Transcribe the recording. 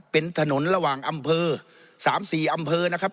เป็นถนนระหว่างอำเภอ๓๔อำเภอนะครับ